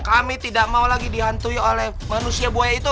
kami tidak mau lagi dihantui oleh manusia buaya itu